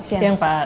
selamat siang pak